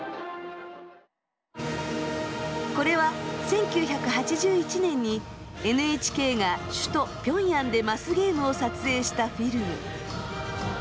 これは１９８１年にＮＨＫが首都ピョンヤンでマスゲームを撮影したフィルム。